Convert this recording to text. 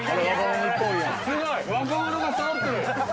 すごい若者がそろってる。